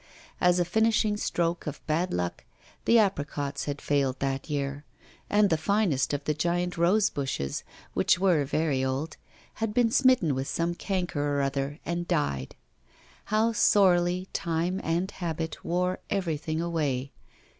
As a finishing stroke of bad luck, the apricots had failed that year, and the finest of the giant rose bushes, which were very old, had been smitten with some canker or other and died. How sorely time and habit wore everything away!